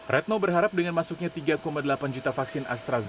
retno berharap dengan masuknya tiga delapan juta vaksin astrazen